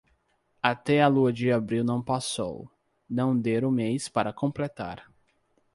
Até a lua de abril não passou, não dê o mês para completar.